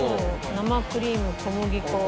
生クリーム小麦粉。